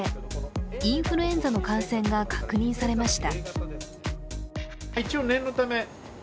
インフルエンザの感染が確認されました。